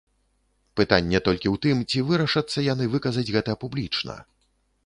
Пытанне толькі ў тым, ці вырашацца яны выказаць гэта публічна.